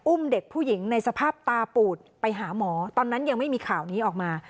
เด็กผู้หญิงในสภาพตาปูดไปหาหมอตอนนั้นยังไม่มีข่าวนี้ออกมา